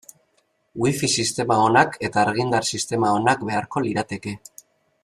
Wifi sistema onak eta argindar sistema onak beharko lirateke.